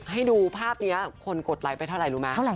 ให้ดูภาพนี้คนกดไลค์ไปเท่าไหร่รู้ไหม